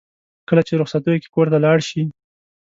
کله چې رخصتیو کې کور ته لاړ شي.